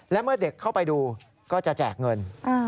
และเมื่อเด็กเข้าไปดูก็จะแจกเงิน